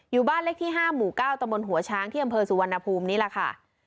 อยู่บ้านเลขที่๕หมู่๙ตมหัวช้างที่อำเภอสุวรรณภูมินี่แหละค่ะ